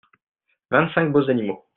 vingt cinq beaux animaux.